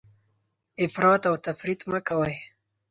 افراط او تفریط مه کوئ.